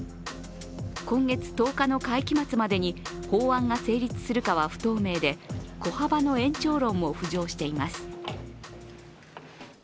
今月１０日の会期末までに法案が成立するかは不透明で小幅の延長論も浮上しています。